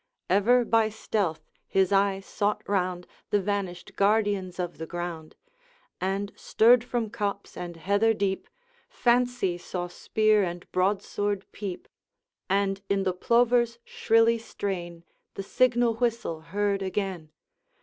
Ever, by stealth, his eye sought round The vanished guardians of the ground, And stir'd from copse and heather deep Fancy saw spear and broadsword peep, And in the plover's shrilly strain The signal whistle heard again.